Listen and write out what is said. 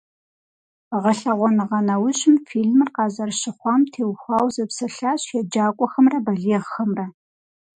Гъэлъэгъуэныгъэ нэужьым фильмыр къазэрыщыхъуам теухуауэ зэпсэлъащ еджакӀуэхэмрэ балигъхэмрэ.